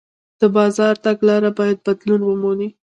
د بازار تګلاره باید بدلون ومني.